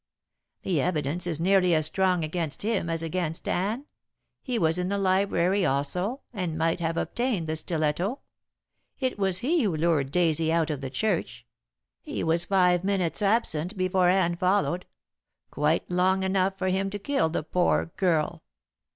"The evidence is nearly as strong against him as against Anne. He was in the library also and might have obtained the stiletto. It was he who lured Daisy out of the church. He was five minutes absent before Anne followed quite long enough for him to kill the poor girl."